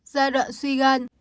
giai đoạn suy gan